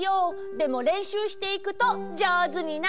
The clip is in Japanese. でもれんしゅうしていくとじょうずになるよ！